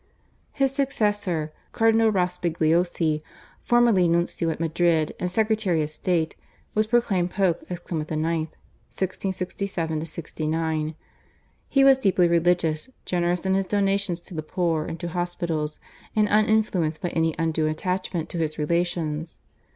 His successor, Cardinal Rospigliosi, formerly nuncio at Madrid and Secretary of State was proclaimed Pope as Clement IX. (1667 69). He was deeply religious, generous in his donations to the poor and to hospitals, and uninfluenced by any undue attachment to his relations.